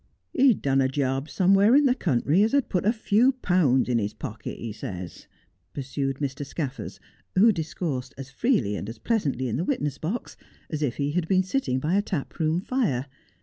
' He'd done a job somewheres in the country as had put a few pounds in his pocket, he ses,' pursued Mr. Scaffers, who dis coursed as freely and as pleasantly in the witness box as if he had been sitting by a taproom fire.